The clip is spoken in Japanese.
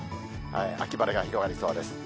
秋晴れが広がりそうです。